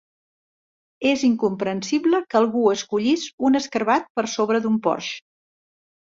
És incomprensible que algú escollís un Escarabat per sobre d'un Porsche.